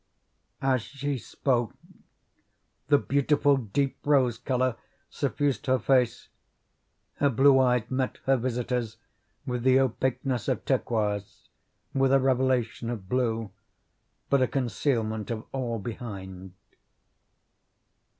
As she spoke, the beautiful deep rose colour suffused her face, her blue eyes met her visitor's with the opaqueness of turquoise with a revelation of blue, but a concealment of all behind.